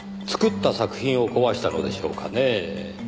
作った作品を壊したのでしょうかねぇ？